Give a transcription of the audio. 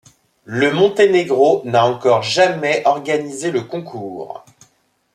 Le Monténégro n'a encore jamais organisé le concours.